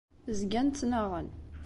Zgan ttnaɣen.